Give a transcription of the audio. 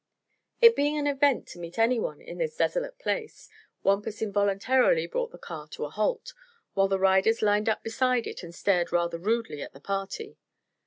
It being an event to meet anyone in this desolate place Wampus involuntarily brought the car to a halt, while the riders lined up beside it and stared rather rudely at the party.